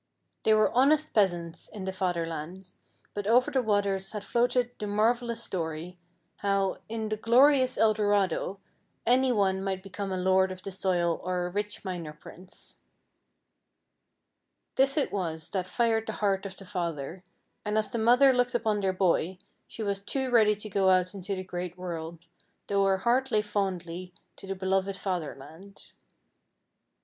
They were honest peasants in the Father land, but over the waters had floated the marvelous story, how, in the glorious El Dorado, any one might become a lord of the soil or a rich miner prince. This it was that fired the heart of the father; and as the mother looked upon their boy, she too was ready to go out into the great world, though her heart lay fondly to the beloved Fatherland.